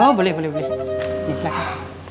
oh boleh boleh ya silahkan